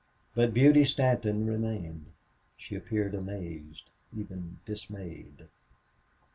But Beauty Stanton remained. She appeared amazed, even dismayed.